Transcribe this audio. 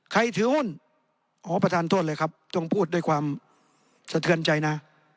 ถือหุ้นอ๋อประธานโทษเลยครับต้องพูดด้วยความสะเทือนใจนะ